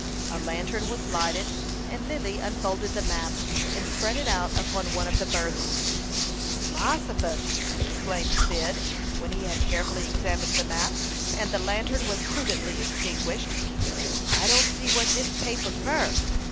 A lantern was lighted, and Lily unfolded the map, and spread it out upon one of the berths. "Mossifus!" exclaimed Cyd, when he had carefully examined the map, and the lantern was prudently extinguished. "I don't see what dis paper fur."